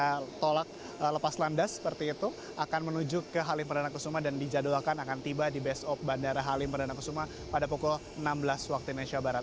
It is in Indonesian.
mereka tolak lepas landas seperti itu akan menuju ke halim perdana kusuma dan dijadwalkan akan tiba di base of bandara halim perdana kusuma pada pukul enam belas waktu indonesia barat